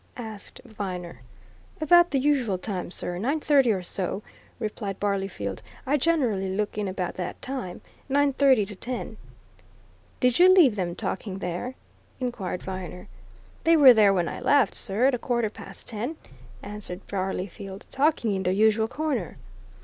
asked Viner. "About the usual time, sir nine thirty or so," replied Barleyfield. "I generally look in about that time nine thirty to ten." "Did you leave them talking there?" inquired Viner. "They were there when I left, sir, at a quarter past ten," answered Barleyfield. "Talking in their usual corner."